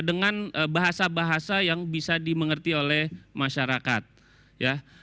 dengan bahasa bahasa yang bisa dimengerti oleh masyarakat ya